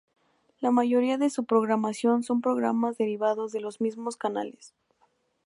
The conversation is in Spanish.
La mayoría de su programación son programas derivados de los mismos canales.